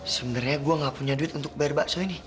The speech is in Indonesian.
sebenarnya gue gak punya duit untuk bayar bakso ini